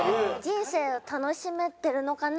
人生を楽しめてるのかな？